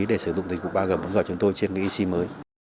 để sử dụng tình cụ ba g bốn g của chúng tôi trên cái e sim mới